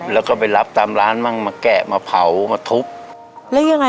แล้วก็ไปรับตามร้านมั่งมาแกะมาเผามาทุบแล้วยังไง